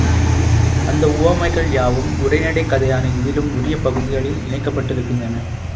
அந்த உவகைகள் யாவும் உரைநடைக் கதையான இதிலும் உரிய பகுதிகளில் இணைக்கப்பட்டிருக்கின்றன.